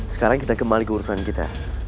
sekarang kita kembali ke urusan kita